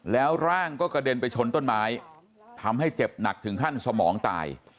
แล้วร่างก็กระเด็นไปชนต้นไม้ทำให้เจ็บหนักถึงขั้นสมองตาย